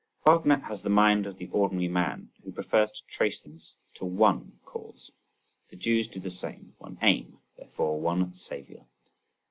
Wagner has the mind of the ordinary man who prefers to trace things to one cause. The Jews do the same: one aim, therefore one Saviour.